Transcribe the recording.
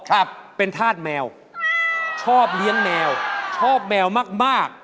ครับเป็นธาตุแมวชอบเลี้ยงแมวชอบแมวมากมาก